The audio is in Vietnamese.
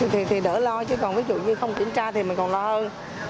thì đỡ lo chứ còn ví dụ như không kiểm tra thì mình còn lo ơ